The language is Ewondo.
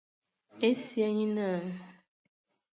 Esia nye naa.